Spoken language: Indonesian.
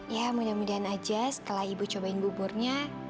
ya mudah mudahan aja setelah ibu cobain buburnya